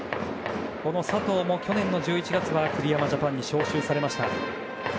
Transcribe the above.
この佐藤も去年は１１月栗山ジャパンに招集されました。